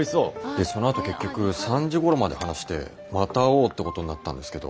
でそのあと結局３時ごろまで話してまた会おうってことになったんですけど。